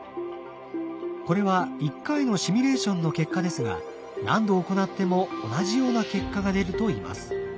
これは１回のシミュレーションの結果ですが何度行っても同じような結果が出るといいます。